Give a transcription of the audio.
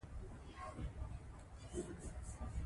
د مېلو پر وخت خلک خپل دودیز خواړه شریکوي.